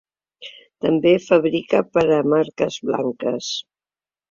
També fabrica per a marques blanques.